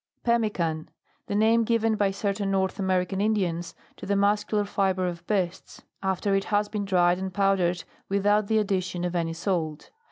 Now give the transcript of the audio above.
PEMMECAN. The name given by cer tain North American Indians to the muscular fibre of beasts, after it has been dried and powdered with out the addition of any salt.